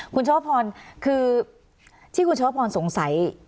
คุณชวพรคือที่คุณชวพรสงสัย